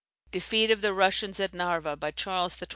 Defeat of the Russians at Narva, by Charles XII.